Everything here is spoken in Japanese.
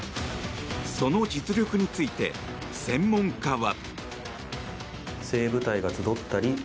その実力について専門家は。